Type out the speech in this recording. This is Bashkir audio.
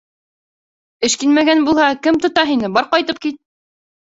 Эшкинмәгән булһа, кем тота һине, бар ҡайтып кит!